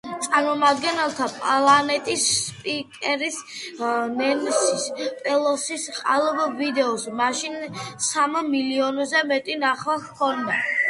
წარმომადგენელთა პალატის სპიკერის ნენსი პელოსის ყალბ ვიდეოს, მაშინ სამ მილიონზე მეტი ნახვა ჰქონდა.